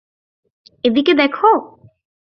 এদিকে দেখো?